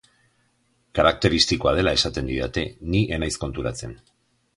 Karakteristikoa dela esaten didate, ni ez naiz konturatzen.